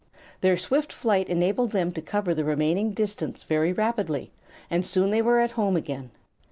Their swift flight enabled them to cover the remaining distance very rapidly, and soon they were at home again.